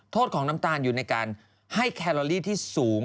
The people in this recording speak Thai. โทษของน้ำตาลอยู่ในการให้แคลอรี่ที่สูง